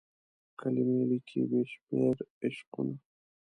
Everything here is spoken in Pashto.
کلمې لیکي بې شمیر عشقونه